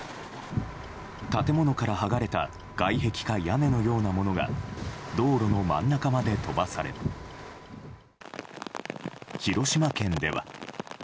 建物から剥がれた外壁か屋根のようなものが道路の真ん中まで飛ばされ広島県では。